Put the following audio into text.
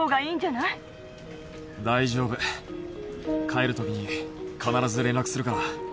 帰るときに必ず連絡するから。